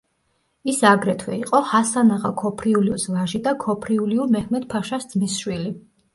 ის, აგრეთვე, იყო ჰასან აღა ქოფრიულიუს ვაჟი და ქოფრიულიუ მეჰმედ-ფაშას ძმისშვილი.